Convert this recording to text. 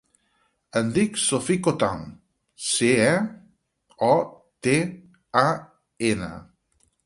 Em dic Sophie Cotan: ce, o, te, a, ena.